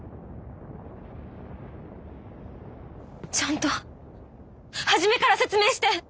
ちゃんと初めから説明して！